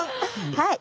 はい。